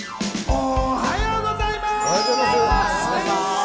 おはようございます。